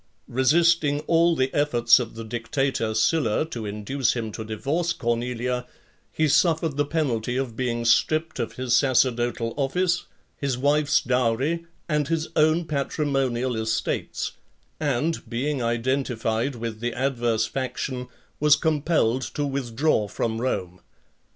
Resisting all the efforts of the dictator Sylla to induce him to divorce Cornelia, he suffered the penalty of being stripped of his sacerdotal office, his wife's dowry, and his own patrimonial estates; and, being identified with the adverse faction , was compelled to withdraw from Rome.